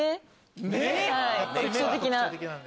特徴的な。